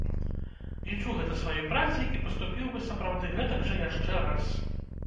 Лічу гэта сваёй працай і паступіў бы сапраўды гэтак жа яшчэ раз.